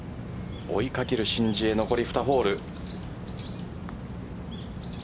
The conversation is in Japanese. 追い掛ける申ジエ残り２ホール。